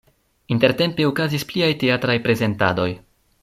Intertempe okazis pliaj teatraj prezentadoj.